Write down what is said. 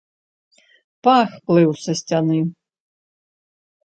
Пах плыў з сцяны.